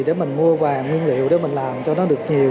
để mình mua vàng nguyên liệu để mình làm cho nó được nhiều